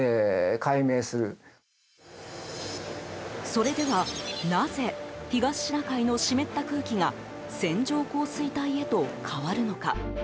それでは、なぜ東シナ海の湿った空気が線状降水帯へと変わるのか。